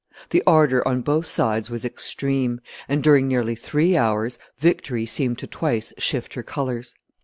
The ardor on both sides was extreme; and, during nearly three hours, victory seemed to twice shift her colors.